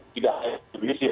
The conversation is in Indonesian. tidak hanya di indonesia